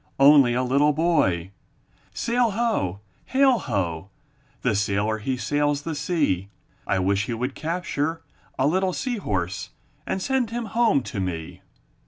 Only a little boy! Sail! Ho! Hail! Ho! The sailor he sails the sea; I wish he would capture A little sea horse And send him home to me.